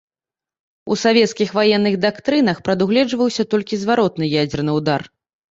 У савецкіх ваенных дактрынах прадугледжваўся толькі зваротны ядзерны ўдар.